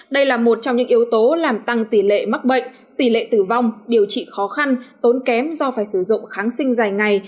đây là một trong những yếu tố làm tăng tỷ lệ mắc bệnh tỷ lệ tử vong điều trị khó khăn tốn kém do phải sử dụng kháng sinh dài ngày